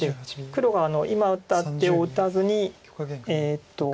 黒が今打った手を打たずに。